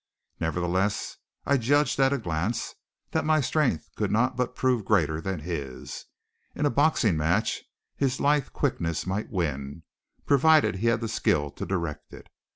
Nevertheless I judged at a glance that my strength could not but prove greater than his. In a boxing match his lithe quickness might win provided he had the skill to direct it.